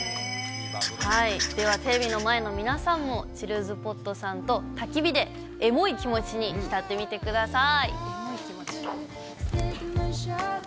では、テレビの前の皆さんも、チルズポットさんとたき火で、エモい気持ちに浸ってみてください。